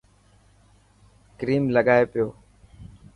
ڪريم لگائي پيو.